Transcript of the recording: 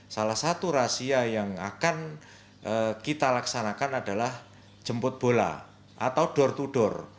salah satu rahasia yang akan kita laksanakan adalah jemput bola atau door to door